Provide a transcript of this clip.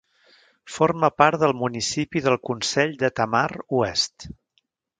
Forma part del municipi del Consell de Tamar Oest.